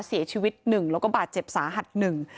เสียชีวิตหนึ่งแล้วก็บาดเจ็บสาหัสหนึ่ง